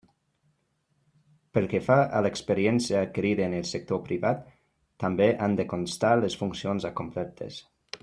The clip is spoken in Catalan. Pel que fa a l'experiència adquirida en el sector privat, també han de constar les funcions acomplertes.